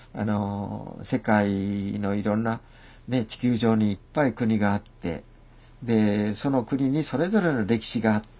世界のいろんな地球上にいっぱい国があってその国にそれぞれの歴史があって。